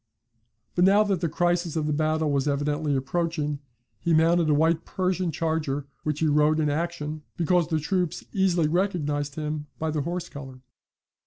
But now that the crisis of the battle was evidently approaching, he mounted a white Persian charger, which he rode in action because the troops easily recognised him by the horse colour.